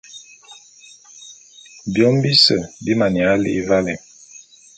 Biôm bise bi maneya li'i valé.